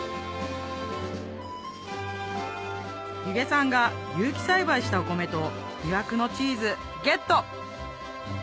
弓削さんが有機栽培したお米と魅惑のチーズゲット！